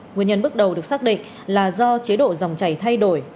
nguyên nhân bước đầu được xác định là do chế độ dòng chảy thay đổi